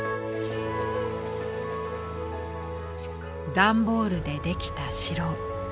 段ボールでできた城。